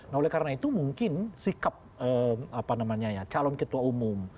nah oleh karena itu mungkin sikap calon ketua umum